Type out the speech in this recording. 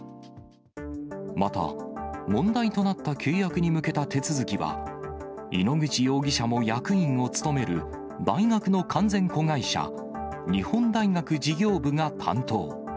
また、問題となった契約に向けた手続きは、井ノ口容疑者も役員を務める大学の完全子会社、日本大学事業部が担当。